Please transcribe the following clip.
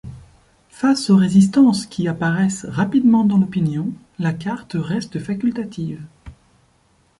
Face aux résistances qui apparaissent rapidement dans l'opinion, la carte reste facultative.